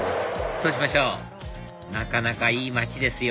そうしましょうなかなかいい街ですよ